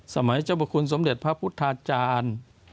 สมัยเจ้าพระคุณสมเด็จพระพุทธาจารย์